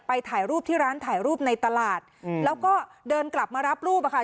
ถ่ายรูปที่ร้านถ่ายรูปในตลาดแล้วก็เดินกลับมารับรูปอะค่ะ